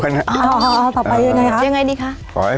ต่อไปยังไงครับ